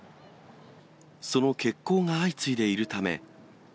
その欠航が相次いでいるため。